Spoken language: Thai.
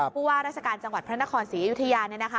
ผู้ว่าราชการจังหวัดพระนครศรีอยุธยาเนี่ยนะคะ